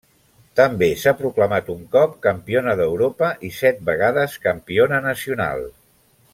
També s'ha proclamat un cop campiona d'Europa i set vegades campiona nacional.